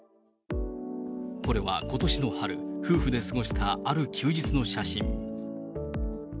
これはことしの春、夫婦で過ごしたある休日の写真。